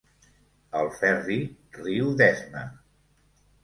El Ferri riu d'esma.